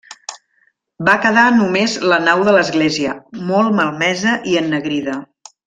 Va quedar només la nau de l'església, molt malmesa i ennegrida.